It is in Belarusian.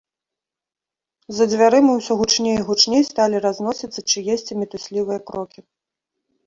За дзвярыма ўсё гучней і гучней сталі разносіцца чыесьці мітуслівыя крокі.